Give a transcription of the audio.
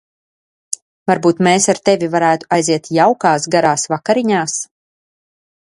Varbūt mēs ar tevi varētu aiziet jaukās garās vakariņās?